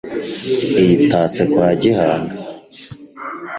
Iyi itatse kwa Gihanga